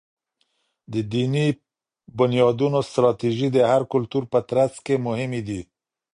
د دینی بنیادونو ستراتیژۍ د هر کلتور په ترڅ کي مهمي دي.